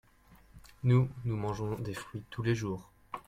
nous, nous mangeons des fruits tous les jours.